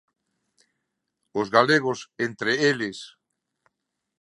Os galegos entre eles...